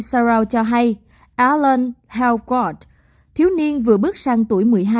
times of israel cho hay alan helgort thiếu niên vừa bước sang tuổi một mươi hai